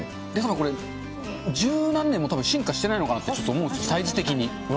これ十何年も、たぶん、進化してないのかなと思う、サイズ的に。